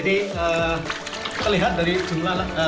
jadi kita lihat dari jumlahnya